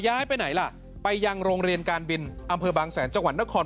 ย้ายไปไหนล่ะไปยังโรงเรียนการบินอำเภอบางแสนจังหวัดนคร